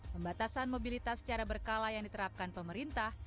pembatasan mobilitas secara berkala yang diterapkan pemerintah